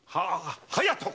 隼人！